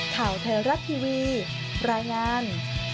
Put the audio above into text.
ข่าวไทยรัฐทีวีรายงาน